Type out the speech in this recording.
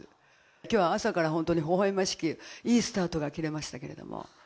きょうは朝から本当にほほえましくいいスタートが切れましたけれども。